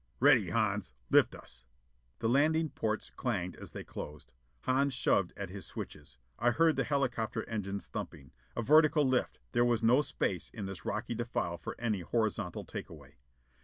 "Ready, Hans. Lift us." The landing portes clanged as they closed. Hans shoved at his switches. I heard the helicopter engines thumping. A vertical lift: there was no space in this rocky defile for any horizontal take away.